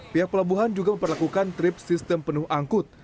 pihak pelabuhan juga memperlakukan trip sistem penuh angkut